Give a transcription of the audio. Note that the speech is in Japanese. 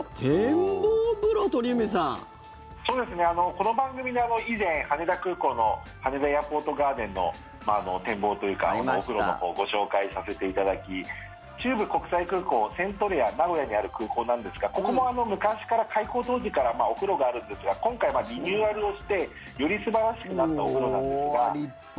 この番組で以前羽田空港の羽田エアポートガーデンの展望というか、お風呂のほうをご紹介させていただき中部国際空港セントレア名古屋にある空港なんですがここも昔から、開港当時からお風呂があるんですが今回、リニューアルをしてより素晴らしくなったうおー、立派！